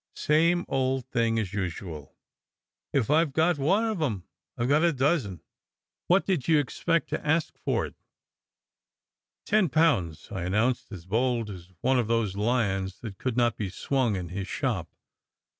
"Same old thing as usual. If I ve got one of em, I re got a dozen. What did you expect to ask for it?" "Ten pounds," I announced, as bold as one of those lions that could not be swung in his shop.